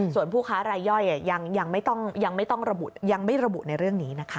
ส่วนผู้ค้ารายย่อยยังไม่ต้องระบุในเรื่องนี้นะคะ